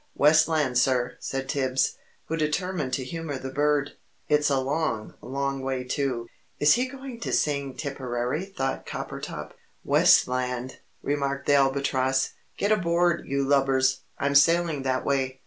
"West Land, sir," said Tibbs, who determined to humour the bird. "It's a long, long way to " "Is he going to sing 'Tipperary?'" thought Coppertop. "West Land!" remarked the Albatross. "Get aboard, you lubbers I'm sailing that way."